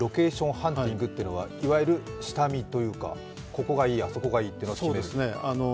ハンティングというのはいわゆる下見というか、ここがいい、あそこがいいってのを決める？